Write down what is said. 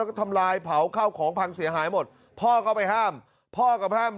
ก็ทำลายเผาข้าวของพังเสียหายหมดพ่อก็ไปห้ามพ่อก็ห้าม